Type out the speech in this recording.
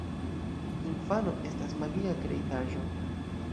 Infano estas magia kreitaĵo.